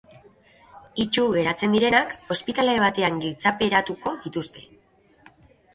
Itsu geratzen direnak ospitale batean giltzaperatuko dituzte.